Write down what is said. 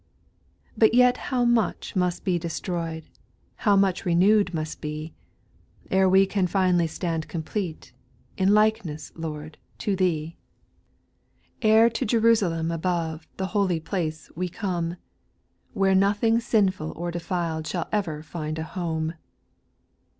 4. But yet how much must be destroyed How much renew'd must be, Ere we can fully stand complete. In likeness. Lord, to Thee ! 85^ r 402 SPIRITUAL SONGS. 5. Ere to Jerusalem above, The holy place, we come, Where nothing sinful or defiled Shall ever find a home.